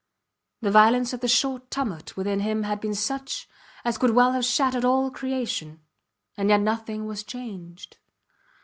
The violence of the short tumult within him had been such as could well have shattered all creation; and yet nothing was changed.